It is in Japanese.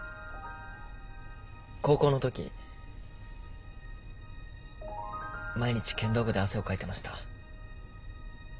高校のとき毎日剣道部で汗をかいてました。